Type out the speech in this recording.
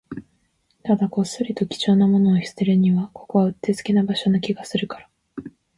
ただ、こっそりと貴重なものを捨てるには、ここはうってつけな場所な気がするから